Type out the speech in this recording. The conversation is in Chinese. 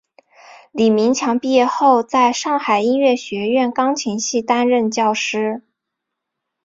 李名强毕业后在上海音乐学院钢琴系担任教师。